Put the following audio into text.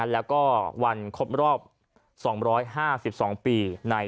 แล้วก็วันครบรอบ๒๕๒ปี